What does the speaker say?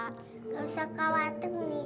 nggak usah khawatir nih